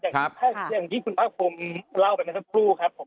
อย่างที่คุณพระคุมเล่าไปมาสักครู่ครับผม